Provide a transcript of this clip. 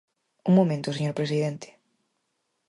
Un momento, señor presidente.